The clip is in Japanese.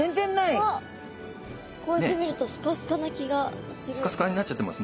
こうやって見るとスカスカな気がする。